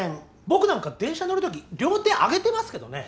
僕なんか電車乗るとき両手上げてますけどね。